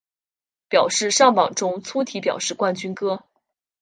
表示上榜中粗体表示冠军歌